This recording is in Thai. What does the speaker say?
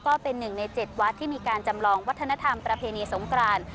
ก็เป็นหนึ่งใน๗วัดที่มีการจำลองวัฒนธรรมประเพณีสงกราน